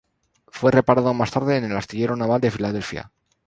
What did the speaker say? Fue reparado más tarde en el astillero naval de Filadelfia.